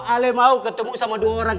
ale mau ketemu sama dua orang